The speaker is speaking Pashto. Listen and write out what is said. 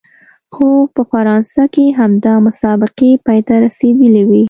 خو په فرانسه کې همدا مسابقې پای ته رسېدلې وې.